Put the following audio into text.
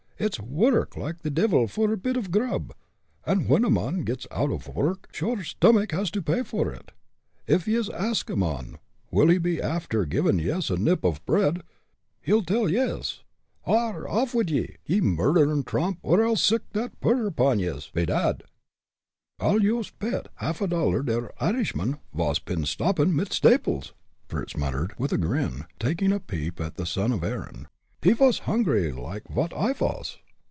It's wurruk like the divil for a bit of grub, and when a mon gits out ov wurruk sure stomick has to pay for it. If yez ax a mon will he be afther givin' yez a nip off bread, he tell yez, 'Arrah! off wid ye, ye murdtherin' tromp, or I'll sick tha purrup on yez!' bedad." "I'll yoost pet half dollar der Irishman vas pin stoppin' mit Samples!" Fritz muttered, with a grin, taking a peep at the son of Erin. "He vas hungry like as vot I vas.